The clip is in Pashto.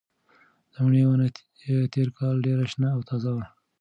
د مڼې ونه تېر کال ډېره شنه او تازه وه.